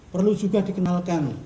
perlu juga dikenalkan